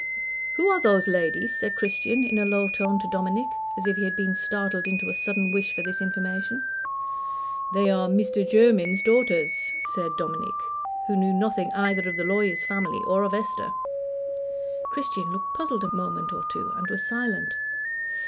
"Who are those ladies?" said Christian, in a low tone, to Dominic, as if he had been startled into a sudden wish for this information. "They are Meester Jermyn's daughters," said Dominic, who knew nothing either of the lawyer's family or of Esther. Christian looked puzzled a moment or two, and was silent.